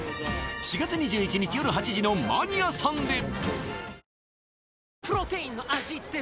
４月２１日よる８時の「マニアさん」で！